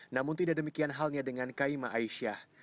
namun tidak demikian halnya dengan kaima aisyah